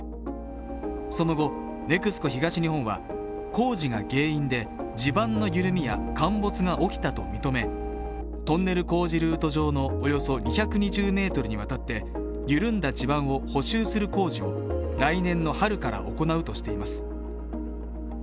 その後、ＮＥＸＣＯ東日本は工事が原因で地盤の緩みや陥没が起きたと認め、トンネル工事ルート上のおよそ２２０ｍにわたって緩んだ地盤を補修する工事を来年春から行うとしています。